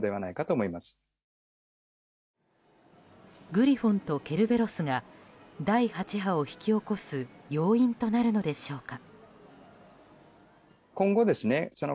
グリフォンとケルベロスが第８波を引き起こす要因となるのでしょうか。